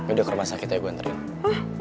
udah ke rumah sakit ya gue anterin